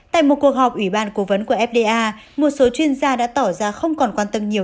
tại một cuộc họp ủy ban cố vấn của fda một số chuyên gia đã tỏ ra không còn quan tâm nhiều